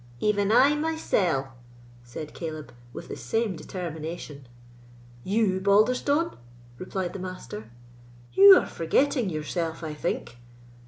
"Even I mysell," said Caleb, with the same determination. "You, Balderstone!" replied the Master; "you are forgetting yourself, I think."